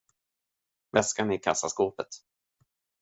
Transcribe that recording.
Väskan är i kassaskåpet.